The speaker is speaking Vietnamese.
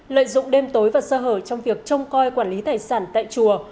lợi dụng đêm tối và sơ hở trong việc trông coi quản lý tài sản tại chùa